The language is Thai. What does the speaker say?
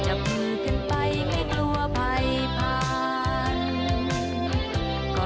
จะเพลินทุกคนในเมื่อเกิดละรัก